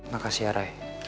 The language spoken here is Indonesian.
makasih ya ray